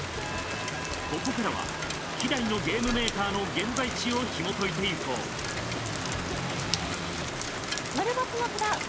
ここからは稀代のゲームメーカーの現在地をひもといていこう〇×の札